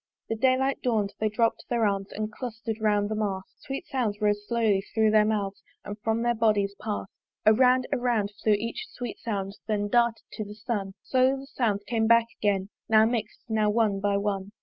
The day light dawn'd they dropp'd their arms, And cluster'd round the mast: Sweet sounds rose slowly thro' their mouths And from their bodies pass'd. Around, around, flew each sweet sound, Then darted to the sun: Slowly the sounds came back again Now mix'd, now one by one.